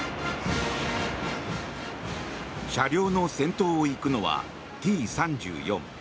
車両の先頭を行くのはＴ３４。